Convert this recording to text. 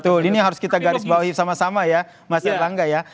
betul ini harus kita garis bawahi sama sama ya mas erlangga ya